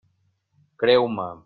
Creu-me.